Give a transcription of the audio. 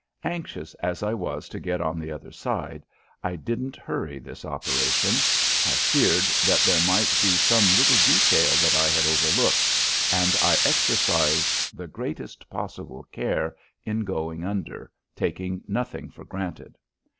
Anxious as I was to get on the other side, I didn't hurry this operation. I feared that there might be some little detail that I had overlooked, and I exercised the greatest possible care in going under, taking nothing for granted.